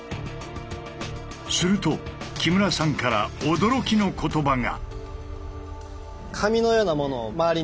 すると木村さんから驚きの言葉が。